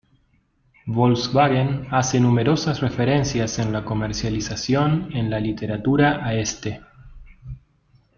Volkswagen hace numerosas referencias en la comercialización en la literatura a este.